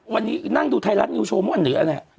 วันนี้นั่งดูไทยรัฐนิวโชว์มั่วเหนือเนี่ย